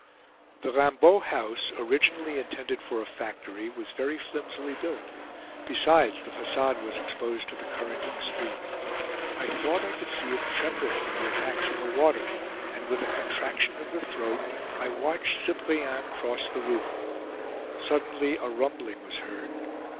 The Raimbeau house, originally intended for a factory, was very flimsily built. Besides, the facade was exposed to the current in the street. I thought I could see it tremble from the attacks of the water; and, with a contraction of the throat, I watched Cyprien cross the roof. Suddenly a rumbling was heard.